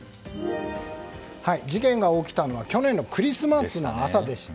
事件が起きたのは去年のクリスマスの朝でした。